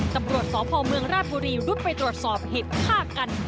ตำรวจสพเมืองราชบุรีรุดไปตรวจสอบเหตุฆ่ากัน